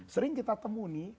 sering kita temuni